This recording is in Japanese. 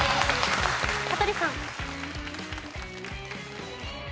羽鳥さん。